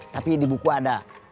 tapi di buku ada